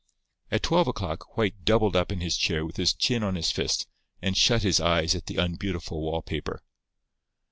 At twelve o'clock White doubled up in his chair, with his chin on his fist, and shut his eyes at the unbeautiful wall paper.